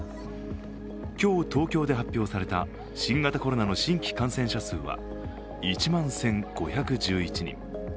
今日、東京で発表された新型コロナの新規感染者数は１万１５１１人。